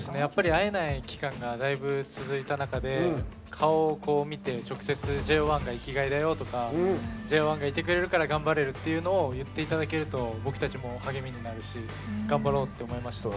会えない期間がだいぶ続いた中で顔を見て、直接ＪＯ１が生きがいだよとかＪＯ１がいてくれるから頑張れるっていうことを言っていただけると僕たちも励みになるし頑張ろうって思えました。